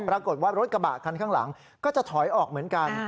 ปรากฏว่ารถกระบะคันข้างหลังก็จะถอยออกเหมือนกัน